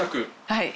はい。